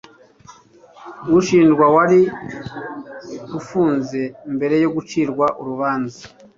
ushinjwa wari ufunze mbere yo gucirwa urubanza